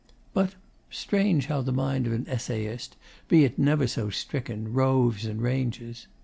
But strange how the mind of an essayist, be it never so stricken, roves and ranges!